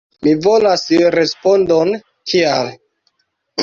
Mi volas respondon kial.